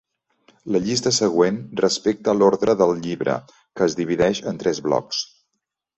La llista següent respecta l'ordre del llibre, que es divideix en tres blocs.